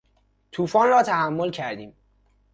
توفان را تحمل کردیم.